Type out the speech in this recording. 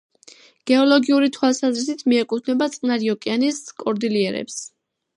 გეოლოგიური თვალსაზრისით მიეკუთვნება წყნარი ოკეანის კორდილიერებს.